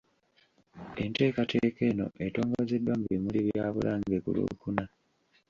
Enteekateeka eno etongozeddwa mu bimuli bya Bulange ku Lwokuna .